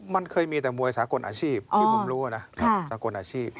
มันเคยมีแต่มวยสากลอาชีพที่ผมรู้นะสากลอาชีพ